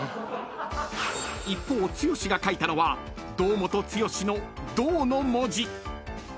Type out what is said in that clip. ［一方剛が書いたのは堂本剛の「堂」の文字］